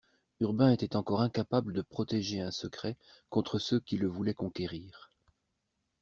Urbain était encore incapable de protéger un secret contre ceux qui le voulaient conquérir.